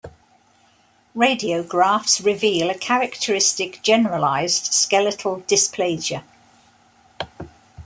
Radiographs reveal a characteristic generalised skeletal dysplasia.